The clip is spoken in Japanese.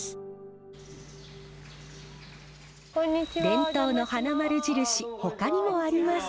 伝統の花まる印ほかにもあります。